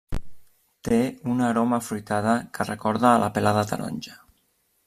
Té una aroma afruitada, que recorda a la pela de taronja.